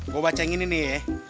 gue baca yang ini nih ya